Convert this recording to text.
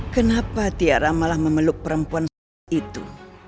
kenapa tiara malah memeluk perempuan saat itu